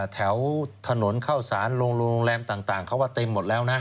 แถวถนนเข้าสารโรงแรมต่างเขาว่าเต็มหมดแล้วนะ